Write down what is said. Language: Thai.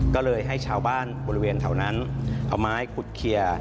ก็เลยให้ชาวบ้านบริเวณแถวนั้นเอาไม้ขุดเคลียร์